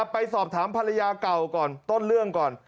ไปสอบถามภรรยาเก่าก่อนต้นเรื่องก่อน